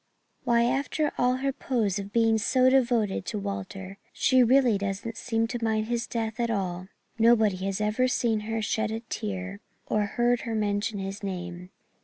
"Why, after all her pose of being so devoted to Walter, she doesn't seem to mind his death at all. Nobody has ever seen her shed a tear or heard her mention his name.